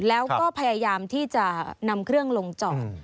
แล้วก็พยายามที่จะนำเครื่องลงจอด